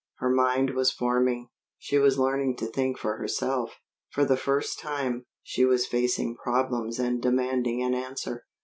Her mind was forming. She was learning to think for herself. For the first time, she was facing problems and demanding an answer.